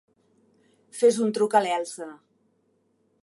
Fes un truc a l'Elsa.